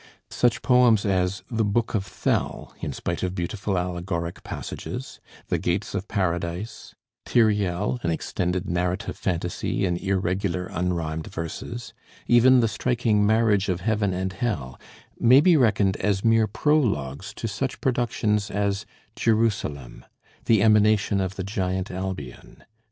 Such poems as 'The Book of Thel,' in spite of beautiful allegoric passages; 'The Gates of Paradise'; 'Tiriel,' an extended narrative fantasy in irregular unrhymed verses; even the striking 'Marriage of Heaven and Hell,' may be reckoned as mere prologues to such productions as 'Jerusalem,' 'The Emanation of the Giant Albion.'